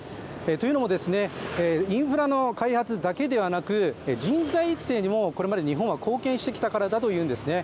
というのも、インフラの開発だけではなくて、人材育成にもこれまで日本は貢献してきたからだというんですね。